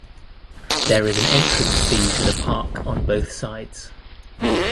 There is an entrance fee to the park on both sides.